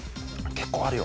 結構あるよ。